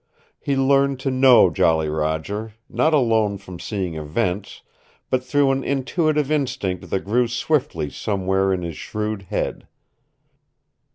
He learned to know Jolly Roger, not alone from seeing events, but through an intuitive instinct that grew swiftly somewhere in his shrewd head.